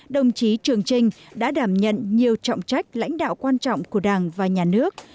đồng chí trường trinh đã đảm nhận nhiều trọng trách lãnh đạo quan trọng của đảng và nhà nước